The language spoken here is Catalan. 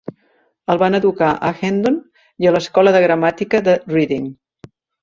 El van educar a Hendon i a l'escola de gramàtica de Reading.